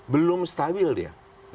belum stabil dia